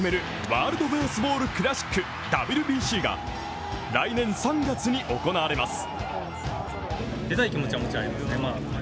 ワールドベースボールクラシック＝ＷＢＣが来年３月に行われます。